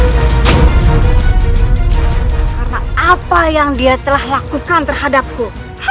karena apa yang dia telah lakukan terhadapku